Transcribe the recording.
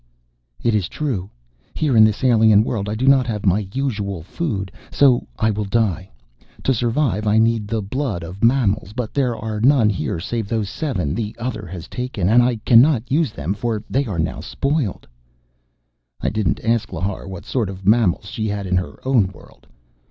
"It is true. Here in this alien world I do not have my usual food. So I will die. To survive I need the blood of mammals. But there are none here save those seven the Other has taken. And I cannot use them for they are now spoiled." I didn't ask Lhar what sort of mammals she had in her own world.